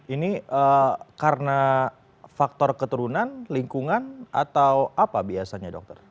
ini karena faktor keturunan lingkungan atau apa biasanya dokter